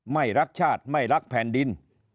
ไม่รักชาติไม่รักแผ่นดิน